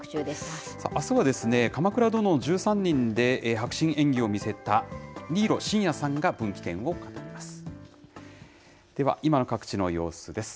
あすは、鎌倉殿の１３人で迫真の演技を見せた新納慎也さんが分岐点を語ります。